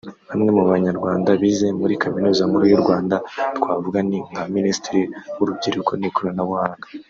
Bamwe mu Banyarwanda bize muri Kaminuza Nkuru y’u Rwanda twavuga ni nka Minisitiri w’urubyiruko n’Ikoranabuhanga